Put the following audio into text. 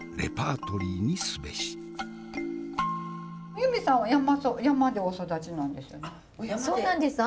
ユミさんは山でお育ちなんですよね？